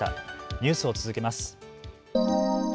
ニュースを続けます。